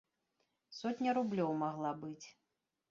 Сотня рублёў магла быць.